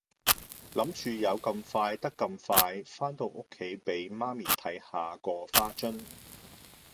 諗住有咁快得咁快番到屋企俾媽咪睇下個花樽